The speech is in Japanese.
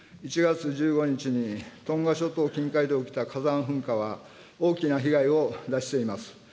１月１５日にトンガ諸島近海で起きた火山噴火は、大きな被害を出しています。